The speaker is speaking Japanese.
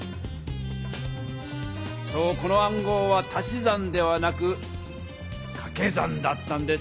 そうこの暗号は足し算ではなくかけ算だったんです。